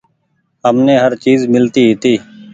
همني هر چئيز ملتي هيتي۔